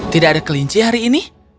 tidak ada kelinci hari ini